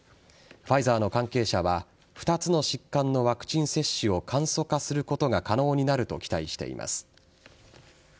ファイザーの関係者は２つの疾患のワクチン接種を簡素化することが可能になると期待しています。